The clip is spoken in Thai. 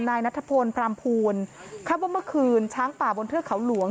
นายนัทพลพรามภูลคาดว่าเมื่อคืนช้างป่าบนเทือกเขาหลวง